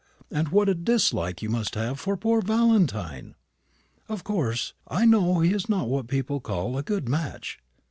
and what a dislike you must have for poor Valentine! Of course, I know he is not what people call a good match.